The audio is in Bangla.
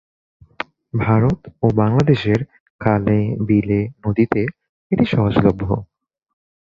ভারত ও বাংলাদেশের খালে বিলে নদীতে এটি সহজলভ্য।